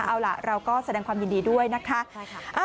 เอาล่ะเราก็แสดงความยินดีด้วยนะคะ